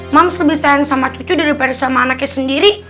mam lebih sayang sama cucu daripada sama anaknya sendiri